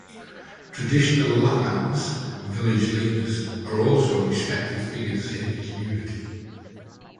Traditional "Lapans" - village leaders, are also respected figures in the communities.